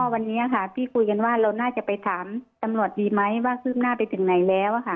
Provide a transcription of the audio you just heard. วันนี้ค่ะพี่คุยกันว่าเราน่าจะไปถามตำรวจดีไหมว่าคืบหน้าไปถึงไหนแล้วค่ะ